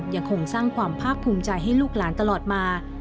ยังคงสร้างความภาคภูมิใจให้ลูกหลานตลอดมา